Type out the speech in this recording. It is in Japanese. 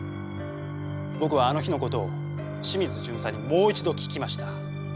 僕はあの日の事を清水巡査にもう一度聞きました。